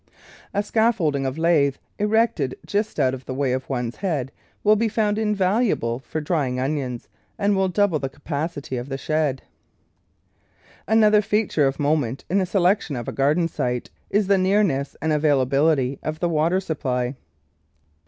A scaffolding of lath, erected just out of the way of one's head, will be found invaluable for drying onions, and will double the capacit}^ of the shed. Another feature of moment in the selection of a garden site is the nearness and availability of the water supply.